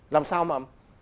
làm sao mà